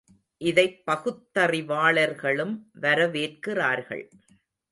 இதைப் பகுத்தறிவாளர்களும் வரவேற்கிறார்கள்.